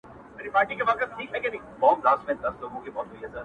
چې ولې دې د دوی دا لنډغرۍ رسنیزې کړې